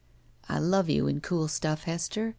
"I love you in cool stuff, Hester.